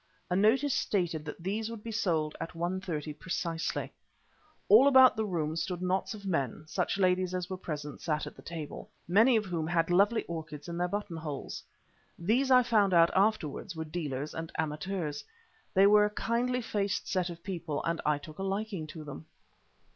A notice stated that these would be sold at one thirty precisely. All about the room stood knots of men (such ladies as were present sat at the table), many of whom had lovely orchids in their buttonholes. These, I found out afterwards, were dealers and amateurs. They were a kindly faced set of people, and I took a liking to them.